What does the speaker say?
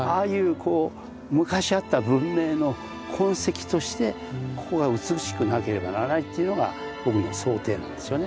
こう昔あった文明の痕跡としてここが美しくなければならないというのが僕の想定なんですよね。